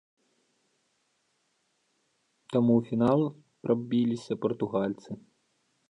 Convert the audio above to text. Таму ў фінал прабіліся партугальцы.